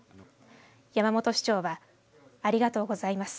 山本市長はありがとうございます。